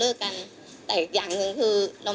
พี่ลองคิดดูสิที่พี่ไปลงกันที่ทุกคนพูด